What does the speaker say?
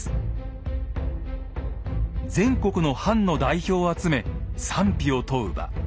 全国の藩の代表を集め賛否を問う場。